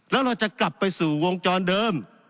แล้วเราจะกลับไปสู่วงจรเดิม